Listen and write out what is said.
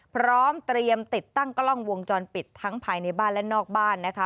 พร้อมเตรียมติดตั้งกล้องวงจรปิดทั้งภายในบ้านและนอกบ้านนะคะ